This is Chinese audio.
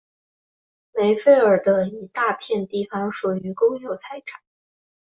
梅费尔的一大片地方属于公有财产。